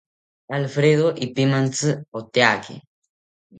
Alfredo ipimantzi oteyaki